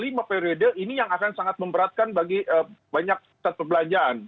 lima periode ini yang akan sangat memberatkan bagi banyak pusat perbelanjaan